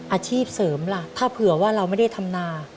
อาชีพเสริมล่ะถ้าเผื่อว่าเราไม่ได้ทำนา